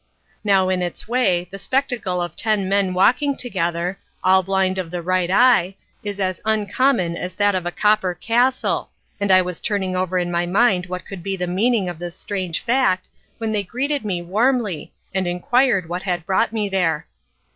Now in its way, the spectacle of ten men walking together, all blind of the right eye, is as uncommon as that of a copper castle, and I was turning over in my mind what could be the meaning of this strange fact, when they greeted me warmly, and inquired what had brought me there.